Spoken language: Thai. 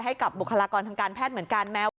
บุคลากรทางการแพทย์เหมือนกัน